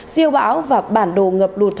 siêu bão và bản đồ ngập lụt